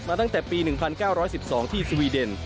ตั้งแต่ปี๑๙๑๒ที่สวีเดน